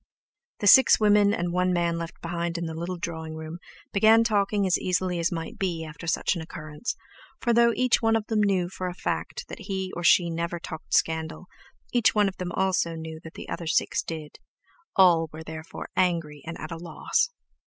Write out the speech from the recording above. The six women and one man left behind in the little drawing room began talking as easily as might be after such an occurrence, for though each one of them knew for a fact that he or she never talked scandal, each one of them also knew that the other six did; all were therefore angry and at a loss.